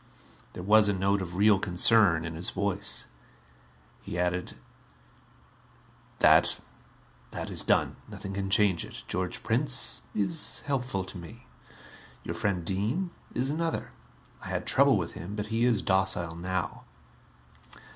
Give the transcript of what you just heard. There was a note of real concern in his voice. He added, "That is done nothing can change it. George Prince is helpful to me. Your friend Dean, is another. I had trouble with him, but he is docile now."